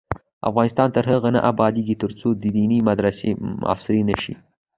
افغانستان تر هغو نه ابادیږي، ترڅو دیني مدرسې عصري نشي.